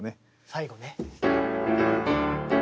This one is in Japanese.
最後ね。